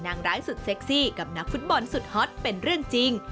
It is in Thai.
นางร้ายสุดเซ็กซี่กับนักฟุตบอลสุดฮอตเป็นเรื่องจริง